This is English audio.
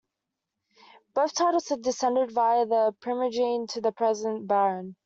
Both titles have descended via primogeniture to the present Baron.